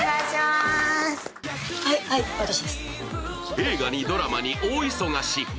映画にドラマに大忙し。